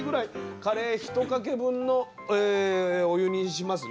カレー１かけ分のお湯にしますね。